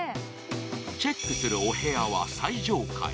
チェックするお部屋は最上階。